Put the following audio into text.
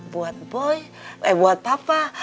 buat boy buat papa